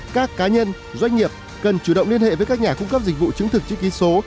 các cá nhân doanh nghiệp cần chủ động liên hệ với các nhà cung cấp dịch vụ chứng thực chữ ký số